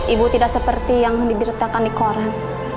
ibu tidak seperti yang diberitakan di koran